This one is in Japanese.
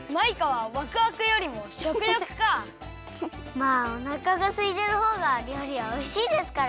まあおなかがすいてるほうがりょうりはおいしいですから！